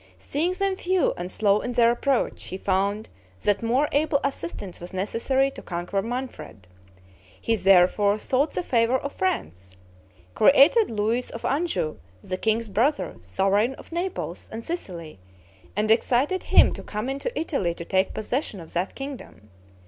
Seeing them few and slow in their approach, he found that more able assistance was necessary to conquer Manfred. He therefore sought the favor of France; created Louis of Anjou, the king's brother, sovereign of Naples and Sicily, and excited him to come into Italy to take possession of that kingdom.